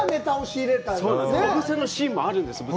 小布施のシーンもあるんですよ。